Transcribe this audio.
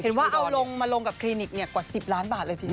เห็นว่าเอาลงมาลงกับคลินิกกว่า๑๐ล้านบาทเลยที